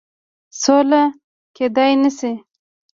سوله کېدلای نه سي.